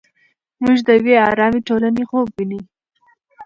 موږ د یوې ارامې ټولنې خوب ویني.